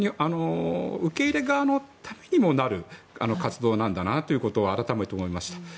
受け入れる側のためにもなる活動なんだなということを改めて思いました。